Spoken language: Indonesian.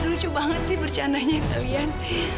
lucu banget sih bercandanya kalian